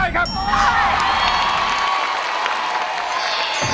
รูปสุดงามสมสังคมเครื่องใครแต่หน้าเสียดายใจทดสกัน